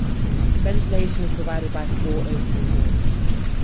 Ventilation is provided by four opening ports.